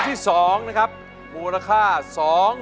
ไม่ทำได้ไม่ทำได้